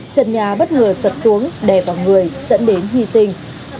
trần nhà bất ngờ sập xuống đè vào người dẫn đến hy sinh